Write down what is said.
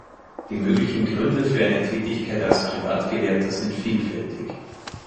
Die möglichen Gründe für eine Tätigkeit als Privatgelehrter sind vielfältig.